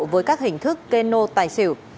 với các hình thức kênh nô tài xỉu